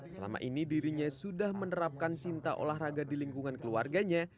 selama ini dirinya sudah menerapkan cinta olahraga di lingkungan keluarganya